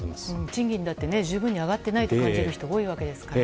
賃金だって十分上がってないと感じる人が多いですから。